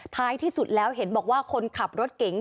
ท้ายที่สุดแล้วเห็นบอกว่าคนขับรถเก๋ง